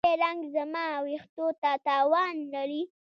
ایا رنګ زما ویښتو ته تاوان لري؟